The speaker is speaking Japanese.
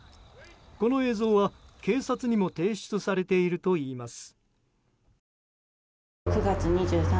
この映像は警察にも提出されているといいます。